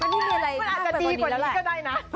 อันนี้อาจจะดีกว่านี้ก็ได้นะ